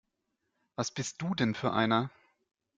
Was bist du denn für einer?